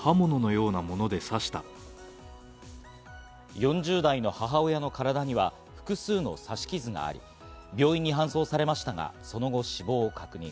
４０代の母親の体には複数の刺し傷があり、病院に搬送されましたが、その後、死亡を確認。